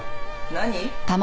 何？